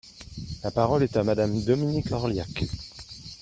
La parole est à Madame Dominique Orliac.